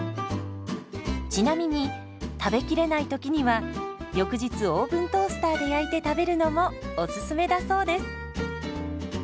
ちなみに食べきれないときには翌日オーブントースターで焼いて食べるのもおすすめだそうです。